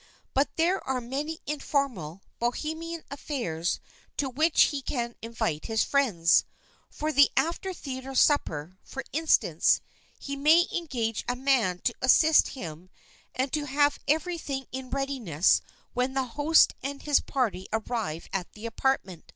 But there are many informal, Bohemian affairs to which he can invite his friends. For the after theater supper, for instance, he may engage a man to assist him and to have everything in readiness when the host and his party arrive at the apartment.